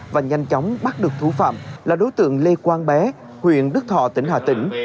và nhanh chóng bắt được thủ phạm là đối tượng lê quang bé huyện đức thọ tỉnh hà tĩnh